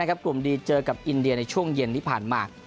กลุ่มดีเจอกับอินเดียในช่วงเย็นที่ผ่านมา